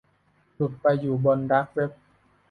หลุดไปอยู่บนดาร์กเว็บ